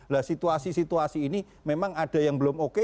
nah situasi situasi ini memang ada yang belum oke